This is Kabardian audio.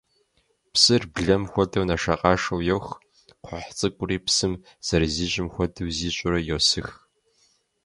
Псыр, блэм хуэдэу, нэшэкъашэу йох, кхъухь цӀыкӀури, псым зэрызищӀым хуэдэу зищӀурэ, йосых.